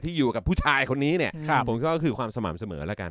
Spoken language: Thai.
อยู่กับผู้ชายคนนี้เนี่ยผมก็คือความสม่ำเสมอแล้วกัน